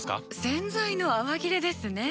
洗剤の泡切れですね。